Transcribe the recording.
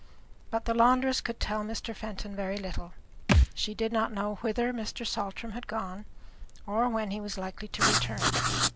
But the laundress could tell Mr. Fenton very little. She did not know whither Mr. Saltram had gone, or when he was likely to return.